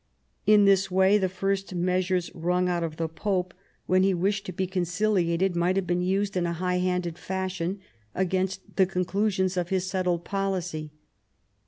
In this way the first measures wrung out of the Pope when he IX THE KING'S DIVORCE 183 wished to be conciliating might have been used in a high handed fashion against the conclusions of his settled policy.